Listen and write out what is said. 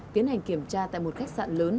tiến hành kiểm tra tại một khách sạn lớn